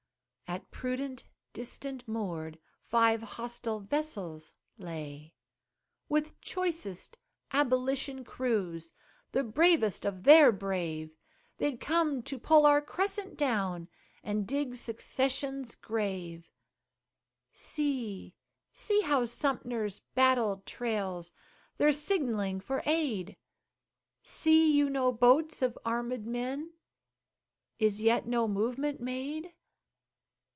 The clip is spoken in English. at prudent distance moored Five hostile vessels lay. With choicest abolition crews The bravest of their brave They'd come to pull our Crescent down And dig Secession's grave. See, see, how Sumter's banner trails, They're signaling for aid, See you no boats of armed men? Is yet no movement made?